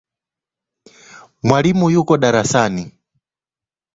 Mwalimu yuko darasani